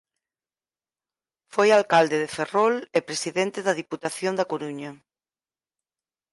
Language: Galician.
Foi alcalde de Ferrol e presidente da Deputación da Coruña.